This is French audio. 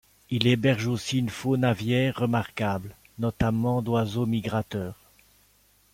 Il héberge aussi une faune aviaire remarquable, notamment d'oiseaux migrateurs.